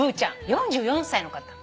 ４４歳の方。